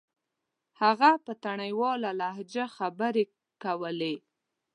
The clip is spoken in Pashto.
هغه په تڼيواله لهجه خبرې کولې.